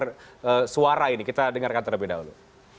mendengar suara ini kita dengarkan terlebih dahulu